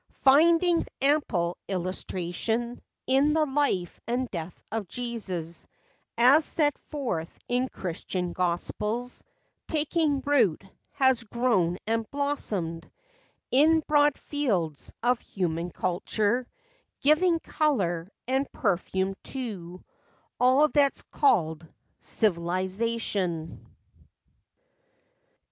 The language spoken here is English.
XI 9 Finding ample illustration In the life and death of Jesus, As set forth in Christian gospels, Taking root, has grown and blossomed In broad fields of human culture Giving color and perfume to All that's called civilization.